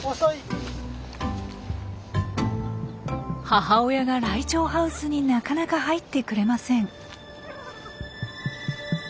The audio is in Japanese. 母親がライチョウハウスになかなか入ってくれません。